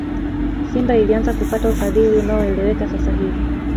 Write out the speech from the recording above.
simba ilianza kupata ufadhili unaoeleweka sasa hivi